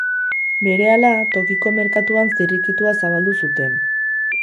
Berehala, tokiko merkatuan zirrikitua zabaldu zuten.